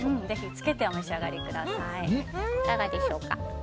つけてお召し上がりください。